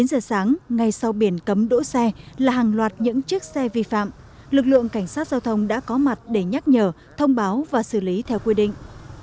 chín giờ sáng ngay sau biển cấm đỗ xe là hàng loạt những chiếc xe vi phạm lực lượng cảnh sát giao thông đã có mặt để nhắc nhở thông báo và xử lý theo quy định